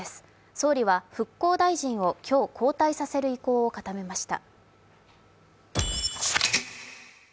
総理は復興大臣を今日、交代させる意向を固めました。